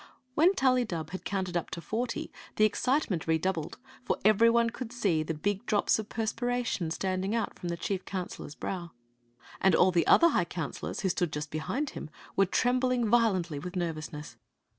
When Tullydub had counted up to forty the excite ment redoubled, for every one could see big drops of perspiration standing upon the chief counsdor's brow, and all the otherhigh counselors, who stood just behind him, were trembling violently with nervousness.